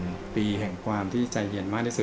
เป็นปีแห่งความที่ใจเย็นมากที่สุด